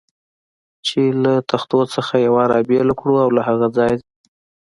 چې له تختو څخه یوه را بېله کړو او له هغه ځایه.